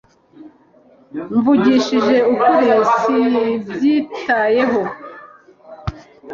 mvugishije ukuri, simbyitayeho